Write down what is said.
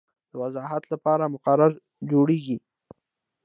د وضاحت لپاره مقرره جوړیږي.